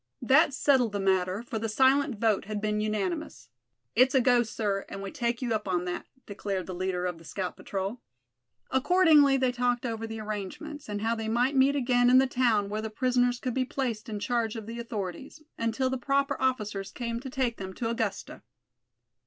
That settled the matter, for the silent vote had been unanimous. "It's a go, sir, and we take you up on that," declared the leader of the scout patrol. Accordingly they talked over the arrangements, and how they might meet again in the town where the prisoners could be placed in charge of the authorities, until the proper officers came to take them to Augusta.